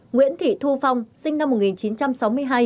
nguyễn thị thu phong sinh năm một nghìn chín trăm sáu mươi hai